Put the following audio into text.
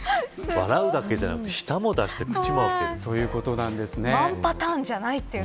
笑うだけじゃなくて、舌も出して口も出すということで。